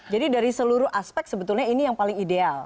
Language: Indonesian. jadi dari seluruh aspek sebetulnya ini yang paling ideal